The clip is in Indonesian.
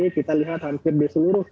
kita lihat hampir di seluruh